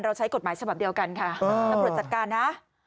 ใช้กฎหมายฉบับเดียวกันค่ะตำรวจจัดการนะ